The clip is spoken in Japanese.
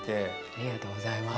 ありがとうございます。